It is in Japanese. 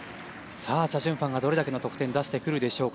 チャ・ジュンファンがどれだけの得点を出してくるでしょうか。